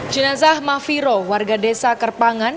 jinazah mafiro warga desa karpangan